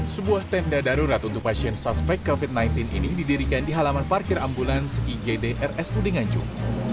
sebuah tenda darurat untuk pasien suspek covid sembilan belas ini didirikan di halaman parkir ambulans igd rsud nganjuk